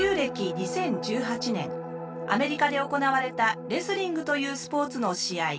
２０１８年アメリカで行われたレスリングというスポーツの試合。